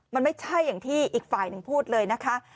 มันไม่ใช่อย่างที่อีกฝ่ายหนึ่งพูดเลยนะคะ